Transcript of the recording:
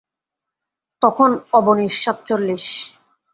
তখন অবনীশ সাতচল্লিশ।